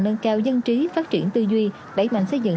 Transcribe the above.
nâng cao dân trí phát triển tư duy đẩy mạnh xây dựng